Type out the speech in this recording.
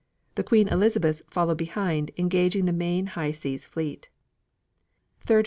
The Queen Elizabeths followed behind engaging the main High Seas Fleet. Third Phase, 5 P.